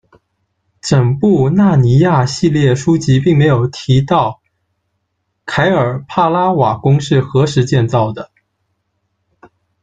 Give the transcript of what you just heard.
整部纳尼亚系列书籍并没有提到凯尔帕拉瓦宫是何时建造的。